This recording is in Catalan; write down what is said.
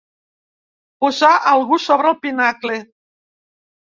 Posar algú sobre el pinacle.